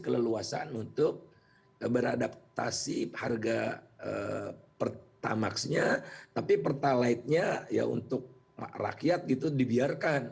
keleluasan untuk beradaptasi harga pertamax nya tapi pertalaid nya ya untuk rakyat gitu dibiarkan